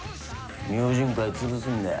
明神会、潰すんだよ。